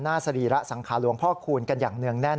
สรีระสังขารหลวงพ่อคูณกันอย่างเนื่องแน่น